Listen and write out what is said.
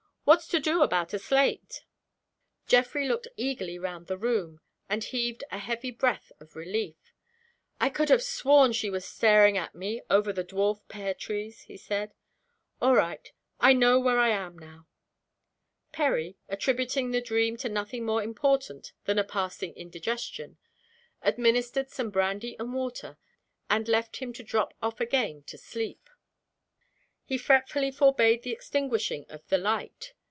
What's to do about a slate?" Geoffrey looked eagerly round the room, and heaved a heavy breath of relief. "I could have sworn she was staring at me over the dwarf pear trees," he said. "All right, I know where I am now." Perry (attributing the dream to nothing more important than a passing indigestion) administered some brandy and water, and left him to drop off again to sleep. He fretfully forbade the extinguishing of the light.